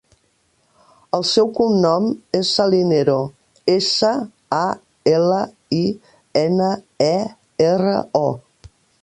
El seu cognom és Salinero: essa, a, ela, i, ena, e, erra, o.